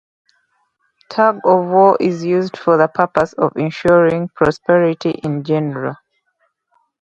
Tug-of-war is used for the purpose of ensuring prosperity in general.